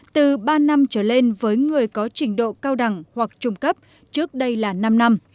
từ ba năm trở lên với người có trình độ cao đẳng hoặc trung cấp trước đây là năm năm